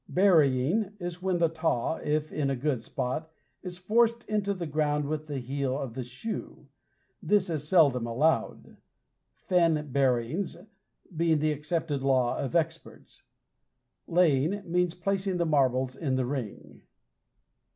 Burying is when the taw, if in a good spot, is forced into the ground with the heel of the shoe. This is seldom allowed; "Fen buryings" being the accepted law of experts. Laying means placing the marbles in the ring.